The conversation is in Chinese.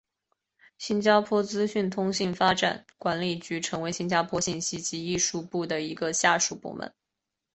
新加坡资讯通信发展管理局成为新加坡信息及艺术部的一个下辖部门。